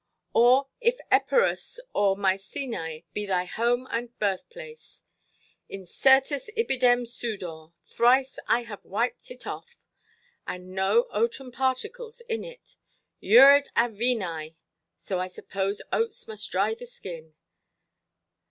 Or if Epirus or Mycenæ be thy home and birthplace—incertus ibidem sudor—thrice I have wiped it off, and no oaten particles in it; urit avenœ, so I suppose oats must dry the skin.